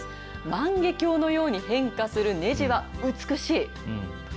万華鏡のように変化するねじは美しい。